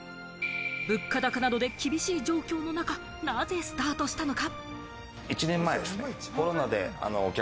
物価高などで厳しい状況の中、なぜスタートしたのか？